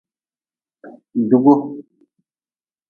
Jugu.